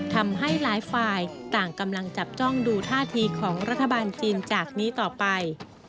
ทำให้หลายฝ่ายต่างกำลังจับจ้องดูท่าทีของรัฐบาลจีนจากนี้ต่อไป